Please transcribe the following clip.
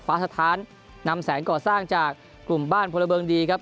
สถานนำแสงก่อสร้างจากกลุ่มบ้านพลเมิงดีครับ